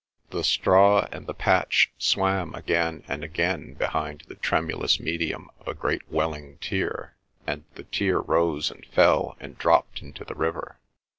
The straw and the patch swam again and again behind the tremulous medium of a great welling tear, and the tear rose and fell and dropped into the river.